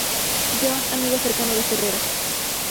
John, amigo cercano de Ferrara.